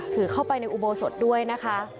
ถือเข้าไปในอุโบสถด้วยนะคะ